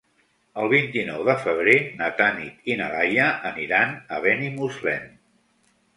El vint-i-nou de febrer na Tanit i na Laia aniran a Benimuslem.